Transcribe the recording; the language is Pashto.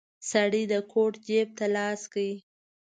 سړی د کوټ جيب ته لاس کړ.